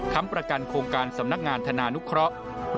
ประกันโครงการสำนักงานธนานุเคราะห์